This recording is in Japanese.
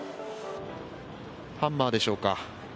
ハンマーでしょうか。